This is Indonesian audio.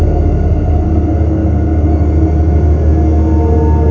sedang apa kamu di situ